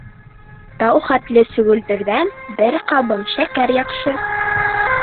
Тау хәтле сөгөлдөрҙән бер ҡабым шәкәр яҡшы.